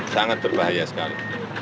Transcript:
sangat berbahaya sekali